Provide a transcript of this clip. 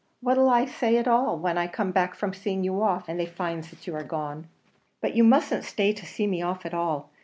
What'll I say at all, when I come back from seeing you off and they finds that you are gone?" "But you mustn't stay to see me off at all.